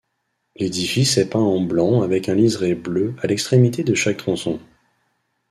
L'édifice est peint en blanc avec un liseré bleu à l'extrémité de chaque tronçon.